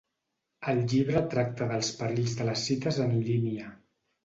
El llibre tracta dels perills de les cites en línia.